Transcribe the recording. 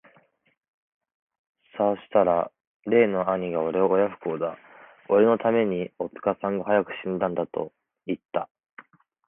さうしたら例の兄がおれを親不孝だ、おれの為めに、おつかさんが早く死んだんだと云つた。